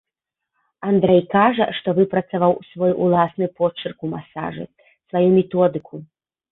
Андрэй кажа, што выпрацаваў свой уласны почырк ў масажы, сваю методыку.